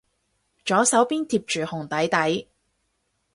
左手邊貼住紅底底